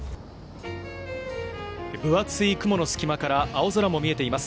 分厚い雲の隙間から青空も見えています。